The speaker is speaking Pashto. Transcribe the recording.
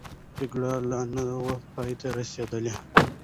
جګړه لا نه وه پای ته رسېدلې.